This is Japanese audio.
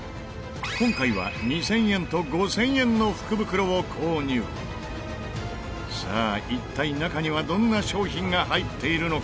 今回は、２０００円と５０００円の福袋を購入さあ、一体、中にはどんな商品が入っているのか？